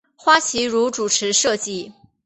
花琦如主持设计。